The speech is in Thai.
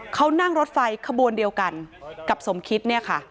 เขานั่งรถไฟขบวนเดียวกันกับสมคิดเนี่ยค่ะ